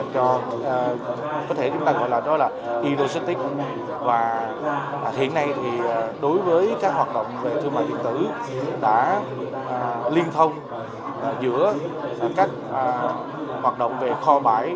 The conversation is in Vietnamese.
có thể chúng ta gọi là đó là e logistics và hiện nay thì đối với các hoạt động về thương mại điện tử đã liên thông giữa các hoạt động về kho bãi